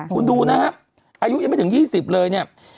คุณดูนะครับอายุยังไม่ถึง๒๐เลยเนี่ย